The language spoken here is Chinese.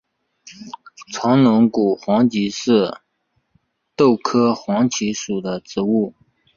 长龙骨黄耆是豆科黄芪属的植物。